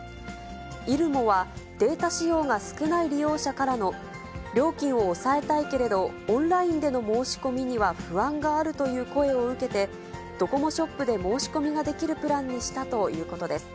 イルモは、データ使用が少ない利用者からの料金を抑えたいけれど、オンラインでの申し込みには不安があるという声を受けて、ドコモショップで申し込みができるプランにしたということです。